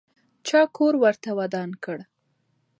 چا کور ورته ودان کړ؟